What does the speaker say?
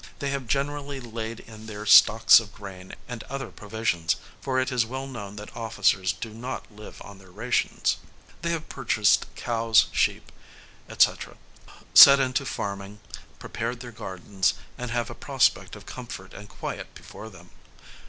They have generally laid in their stocks of grain and other provisions, for it is well known that officers do not live on their rations. They have purchased cows, sheep, &c, set in to farming, prepared their gardens, and have a prospect of comfort and quiet before them.